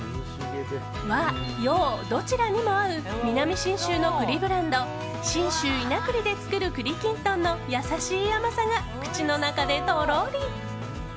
和洋どちらにも合う南信州の栗ブランド信州伊那栗で作る、栗きんとんの優しい甘さが口の中でとろり。